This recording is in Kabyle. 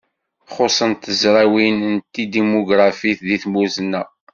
Xuṣṣent tezrawin n tedimugrafit deg tmurt-nneɣ.